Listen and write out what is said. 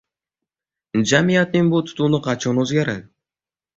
Jamiyatning bu tutumi qachon o‘zgaradi?!